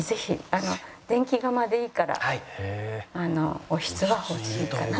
あの電気釜でいいからおひつは欲しいかな。